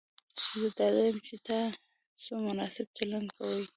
زه ډاډه یم چې تاسو مناسب چلند کوئ.